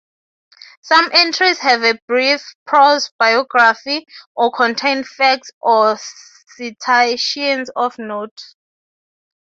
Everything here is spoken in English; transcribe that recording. Some entries have a brief prose biography, or contain facts or citations of note.